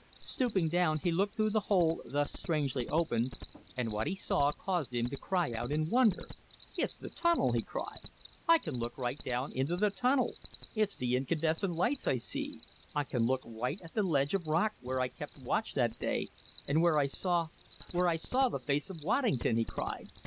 Stooping down, he looked through the hole thus strangely opened and what he saw caused him to cry out in wonder. "It's the tunnel!" he cried. "I can look right down into the tunnel. It's the incandescent lights I see. I can look right at the ledge of rock where I kept watch that day, and where I saw where I saw the face of Waddington!" he cried.